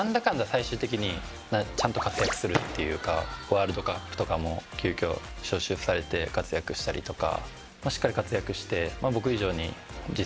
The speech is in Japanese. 最終的に活躍するというかワールドカップとかも急きょ招集されて活躍したりとか。